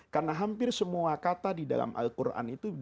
karena hampir semua kata di dalam al quran itu